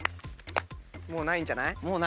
もうないんじゃない？